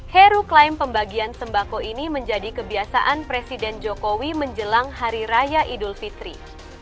heru klaim pembagian sembako ini menjadi kebiasaan presiden jokowi menjelang hari raya idul fitri